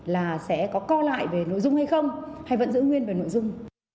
là sẽ có co lại về nội dung hay không hay vẫn giữ nguyên về nội dung